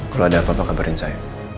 kalau ada apa apa kabarin saya